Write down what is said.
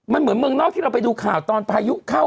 มันเหมือนเมืองนอกที่เราไปดูข่าวตอนพายุเข้า